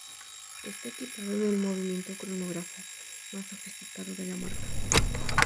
Está equipado con el movimiento cronógrafo más sofisticado de la marca.